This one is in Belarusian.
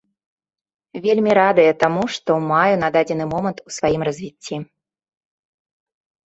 Вельмі радая таму, што маю на дадзены момант у сваім развіцці.